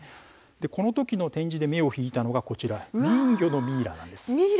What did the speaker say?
この時の展示で目を引いたのが、こちら人魚のミイラです。